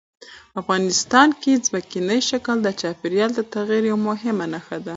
افغانستان کې ځمکنی شکل د چاپېریال د تغیر یوه مهمه نښه ده.